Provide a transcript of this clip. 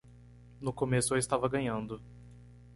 No começo eu estava ganhando.